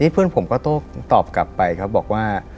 เพื่อนผมก็โต้ตอบกลับไปครับบอกว่า